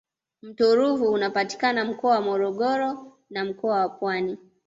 mto ruvu unapatikana mkoa wa morogoro na mkoa wa pwani